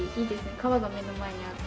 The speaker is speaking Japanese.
川が目の前にあって。